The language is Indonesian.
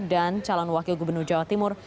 dan calon wakil gubernur jawa timur